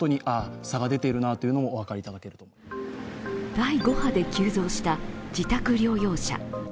第５波で急増した自宅療養者。